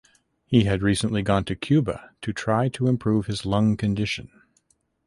He had recently gone to Cuba to try to improve his lung condition.